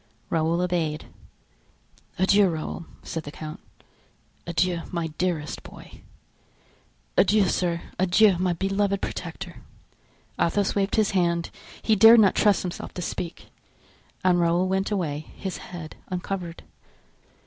Raoul obeyed. "Adieu, Raoul," said the count; "adieu, my dearest boy!" "Adieu, sir, adieu, my beloved protector." Athos waved his hand—he dared not trust himself to speak: and Raoul went away, his head uncovered.